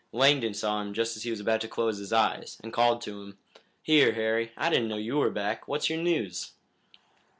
Langdon saw him just as he was about to close his eyes, and called to him: "Here, Harry, I didn't know you were back. What's your news?"